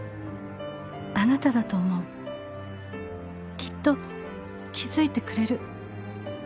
「きっと気付いてくれる」